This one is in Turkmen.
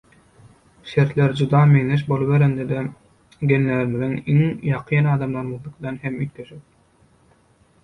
Şertler juda meňzeş boluberende-de genlerimiz iň ýakyn adamlarymyzyňkydan hem üýtgeşik.